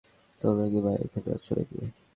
তোমরা কি বাইরে খেলতে যাচ্ছ নাকি?